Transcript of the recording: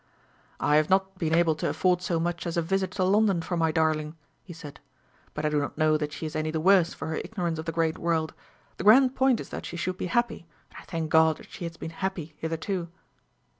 "I have not been able to afford so much as a visit to London for my darling," he said; "but I do not know that she is any the worse for her ignorance of the great world. The grand point is that she should be happy, and I thank God that she has been happy hitherto."